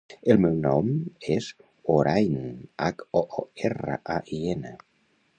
El meu nom és Hoorain: hac, o, o, erra, a, i, ena.